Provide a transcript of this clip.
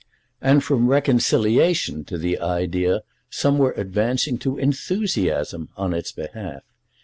And from reconciliation to the idea some were advancing to enthusiasm on its behalf.